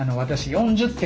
４０点。